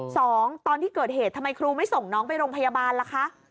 ตอนที่เกิดเหตุทำไมครูไม่ส่งน้องไปโรงพยาบาลล่ะคะ